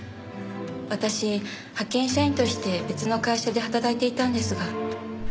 私派遣社員として別の会社で働いていたんですが。